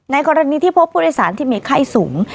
กรณีที่พบผู้โดยสารที่มีไข้สูง